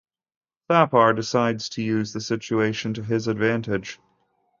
Thapar decides to use the situation to his advantage.